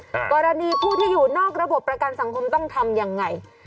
กรณีผู้ที่อยู่นอกระบบประกันสังคมต้องทำยังไง